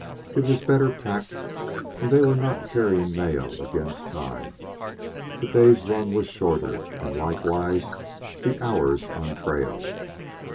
It was better packed, and they were not carrying mail against time. The day's run was shorter, and likewise the hours on trail.